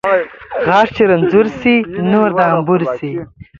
غاښ چې رنځور شي ، نور د انبور شي